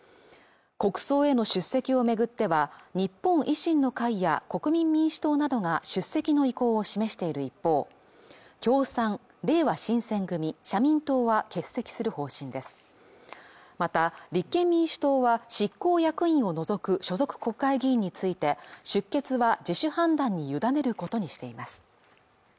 国葬への出席を巡っては日本維新の会や国民民主党などが出席の意向を示している一方共産、れいわ新選組、社民党は欠席する方針ですまた立憲民主党は執行役員を除く所属国会議員について出欠は自主判断に委ねることにしています